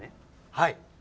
はい。